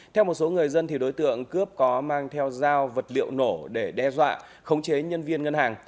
theo một số người dân đối tượng cướp có mang theo dao vật liệu nổ để đe dọa khống chế nhân viên ngân hàng